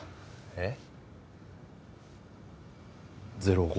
えっ？